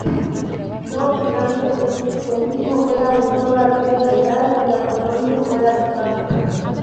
No obstante, el cristianismo era todavía ilegal, y Apolonio fue arrestado.